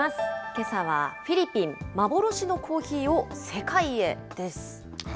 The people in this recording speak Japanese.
けさはフィリピン幻のコーヒーを世界へ！です。